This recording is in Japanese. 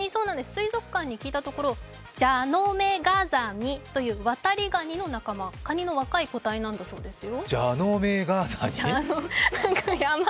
水族館に聞いたところ、ジャノメガザミというワタリガニの仲間、カニの若い個体なんだそうですよ。